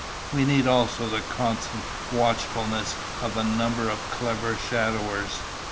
We need also the constant watchfulness of a number of clever shadowers."